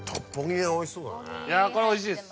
これおいしいです。